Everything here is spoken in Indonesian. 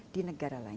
di negara lain